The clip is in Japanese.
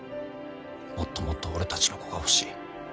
もっともっと俺たちの子が欲しい。